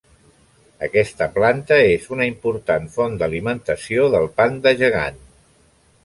Aquesta planta és una important font d'alimentació del panda gegant.